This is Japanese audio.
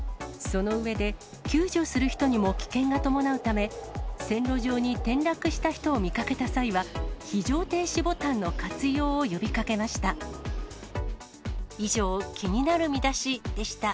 その上で、救助する人にも危険が伴うため、線路上に転落した人を見かけた際は、非常停止ボタンの活用を呼びかけました。